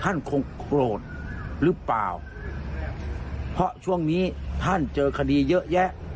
ท่านคงโกรธหรือเปล่าเพราะช่วงนี้ท่านเจอคดีเยอะแยะ